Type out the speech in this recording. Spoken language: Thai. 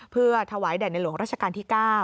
เพื่อถวายแด่ในหลวงราชการที่๙